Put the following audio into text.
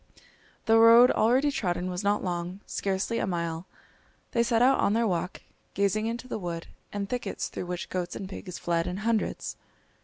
The road already trodden was not long, scarcely a mile. They set out on their walk, gazing into the wood and thickets through which goats and pigs fled in hundreds.